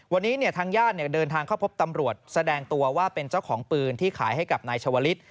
วันนี้ทางญาติเดินทางเข้าพบตำรวจแสดงตัวว่าเป็นเจ้าของปืนที่ขายให้กับนายชาวลิศ